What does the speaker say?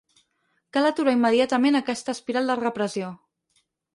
Cal aturar immediatament aquesta espiral de repressió.